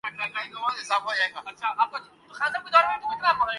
کیسے کما لیتے ہیں؟